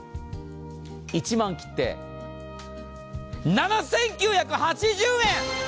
１万切って、７９８０円！